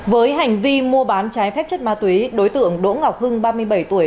với hành vi mua bán trái phép chất ma túy đối tượng đỗ ngọc hưng ba mươi bảy tuổi